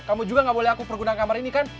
kamu juga gak boleh aku perguna kamar ini kan